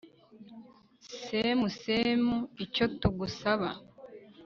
semu, semu icyo tugusaba